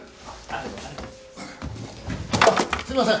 あっすいません。